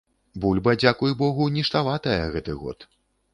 Бульба, дзякуй богу, ніштаватая гэты год.